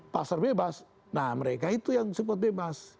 pasar bebas nah mereka itu yang support bebas